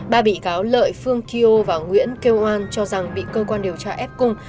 ba bị cáo lợi phương và nguyễn kêu oan cho rằng bị cơ quan điều tra ép cung